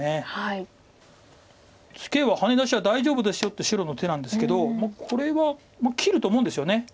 ツケは「ハネ出しは大丈夫ですよ」って白の手なんですけどこれは切ると思うんですよね。